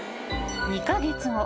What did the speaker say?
［２カ月後］